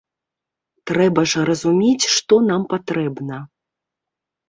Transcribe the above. Трэба ж разумець, што нам патрэбна.